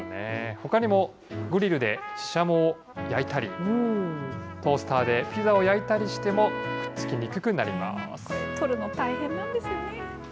ほかにもグリルでししゃもを焼いたり、トースターでピザを焼いた取るの大変なんですよね。